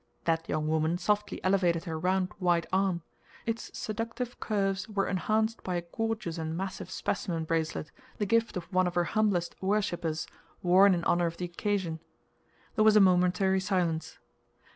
That young woman softly elevated her round, white arm. Its seductive curves were enhanced by a gorgeous and massive specimen bracelet, the gift of one of her humblest worshipers, worn in honor of the occasion. There was a momentary silence.